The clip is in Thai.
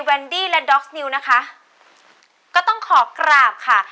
แนนดี้และด็อกนิวนะคะก็ต้องขอกราบค่ะ